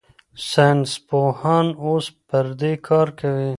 ساینسپوهان اوس پر دې کار کوي.